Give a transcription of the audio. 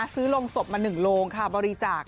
ซื้อลงศพมา๑โลงค่ะบริจาค